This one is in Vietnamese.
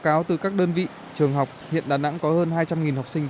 có từ các đơn vị trường học hiện đà nẵng có hơn hai trăm linh học sinh